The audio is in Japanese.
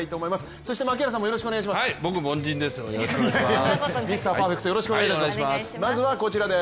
そして槙原さんもよろしくお願いします。